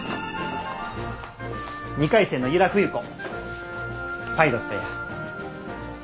２回生の由良冬子パイロットや。